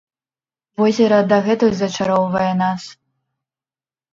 Возера дагэтуль зачароўвае нас.